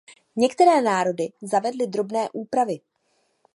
Některé národy zavedly drobné úpravy.